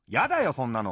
そんなの。